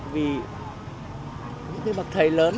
vì những cái bậc thầy lớn